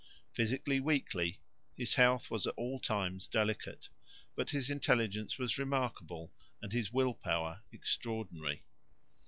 Physically weakly, his health was at all times delicate, but his intelligence was remarkable and his will power extraordinary.